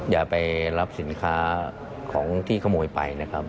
อย่าไปรับสินค้าของที่ขโมยไปนะครับ